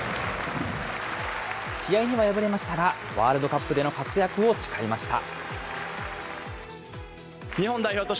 試合には敗れましたが、ワールドカップでの活躍を誓いました。